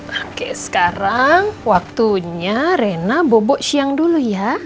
oke sekarang waktunya rena bobo siang dulu ya